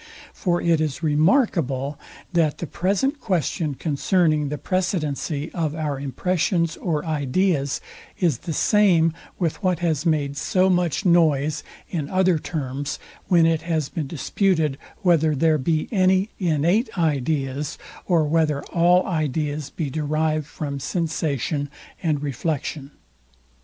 For it is remarkable, that the present question concerning the precedency of our impressions or ideas, is the same with what has made so much noise in other terms, when it has been disputed whether there be any INNATE IDEAS, or whether all ideas be derived from sensation and reflexion.